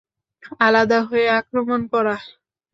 আলাদা হয়ে আক্রমণ করা!